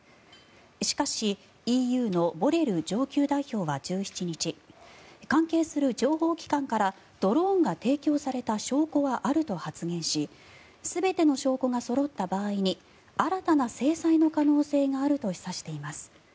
しかしＥＵのボレル上級代表は１７日関係する情報機関からドローンが提供された証拠はあるとし全ての証拠がそろった場合に新たな制裁の可能性があると示唆しています。